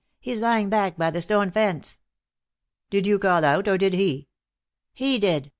He's lying back by the stone fence." "Did you call out, or did he?" "He did.